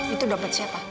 itu dompet siapa